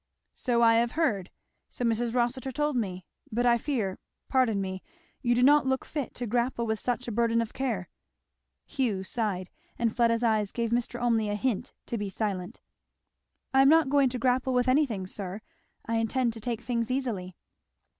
"So I have heard so Mrs. Rossitur told me, but I fear pardon me you do not look fit to grapple with such a burden of care." Hugh sighed, and Fleda's eyes gave Mr. Olmney a hint to be silent. "I am not going to grapple with any thing, sir; I intend to take things easily."